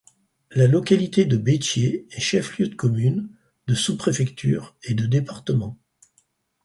La localité de Bettié est chef-lieu de commune, de sous-préfecture et de département.